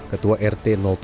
ketua rt tujuh